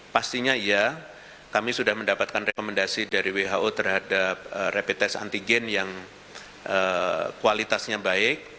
pastinya iya kami sudah mendapatkan rekomendasi dari who terhadap rapid test antigen yang kualitasnya baik